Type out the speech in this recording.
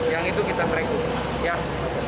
yang itu kita merekrut